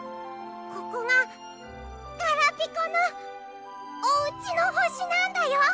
ここがガラピコのおうちの星なんだよ！